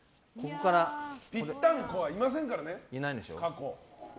ぴったんこはいませんから過去。